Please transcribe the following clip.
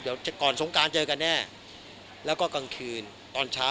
เดี๋ยวก่อนสงการเจอกันแน่แล้วก็กลางคืนตอนเช้า